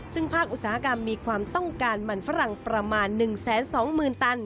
ซึ่งภาคอุตสาหกรรมมีความต้องการมันฝรั่งประมาณ๑๒๐๐๐ตัน